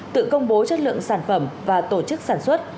tự công bố chất lượng sản phẩm và tổ chức sản xuất